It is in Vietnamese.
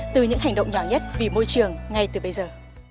từ những hành động nhỏ nhất vì môi trường ngay từ bây giờ